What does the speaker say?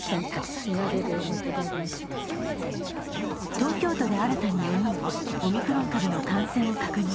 東京都で新たに４人、オミクロン株の感染を確認。